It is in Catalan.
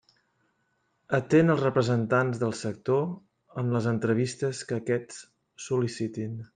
Atén els representants del sector en les entrevistes que aquests sol·licitin.